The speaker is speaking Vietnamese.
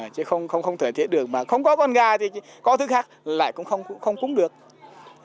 chứ không thể thiết được mà không có con gà thì có thứ khác lại cũng không cúng được